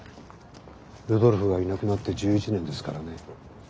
ルドルフがいなくなって１１年ですからね。